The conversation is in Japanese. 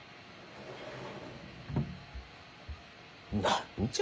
何じゃ？